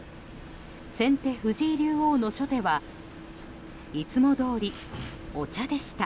先手・藤井竜王の初手はいつもどおり、お茶でした。